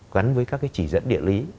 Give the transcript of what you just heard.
gắn với các cái chỉ dẫn địa lý